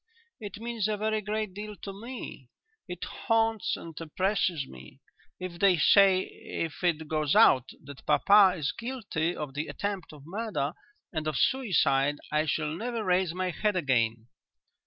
"It means a very great deal to me. It haunts and oppresses me. If they say if it goes out that papa is guilty of the attempt of murder, and of suicide, I shall never raise my head again."